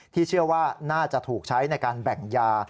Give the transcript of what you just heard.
เชื่อว่าน่าจะถูกใช้ในการแบ่งยา